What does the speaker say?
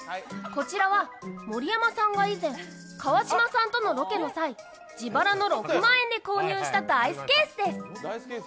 こちらは、盛山さんが以前、川島さんとのロケの際自腹の６万円で購入したダイスケースです。